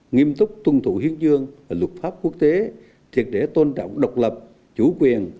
nghiêm túc tuân thủ hiến dương và luật pháp quốc tế thiệt để tôn trọng độc lập chủ quyền